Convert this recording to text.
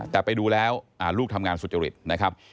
แต่ไปดูแล้วลูกทำงานสุจริตนะครับ